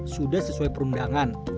sudah sesuai perundangan